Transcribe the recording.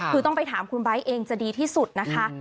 คือต้องไปถามคุณไบท์เองจะดีที่สุดนะคะ